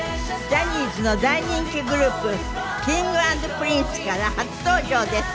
ジャニーズの大人気グループＫｉｎｇ＆Ｐｒｉｎｃｅから初登場です。